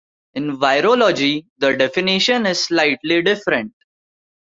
In virology, the definition is slightly different.